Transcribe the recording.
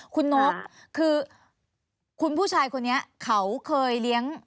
คุณนกคือคุณผู้ชายคนนี้เขาเคยเลี้ยง